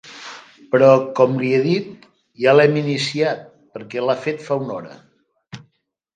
Però com li he dit, ja l'hem iniciat perquè l'ha fet fa una hora.